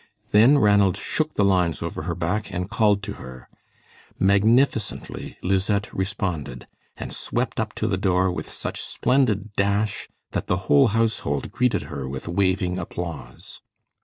Then Ranald shook the lines over her back and called to her. Magnificently Lisette responded, and swept up to the door with such splendid dash that the whole household greeted her with waving applause.